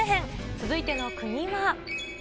続いての国は。